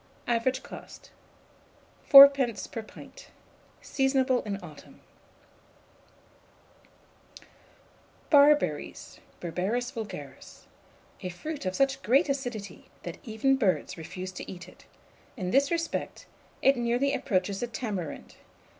Average cost, 4d. per pint. Seasonable in autumn. [Illustration: BARBERRY.] BARBERRIES (Berberris vulgaris.) A fruit of such great acidity, that even birds refuse to eat it. In this respect, it nearly approaches the tamarind.